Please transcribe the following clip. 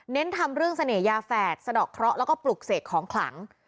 ทำเรื่องเสน่หยาแฝดสะดอกเคราะห์แล้วก็ปลุกเสกของขลัง